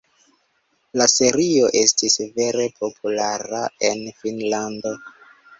La serio estis vere populara en Finnlando.